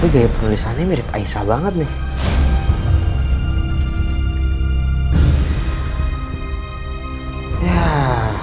gaya penulisannya mirip aisyah banget nih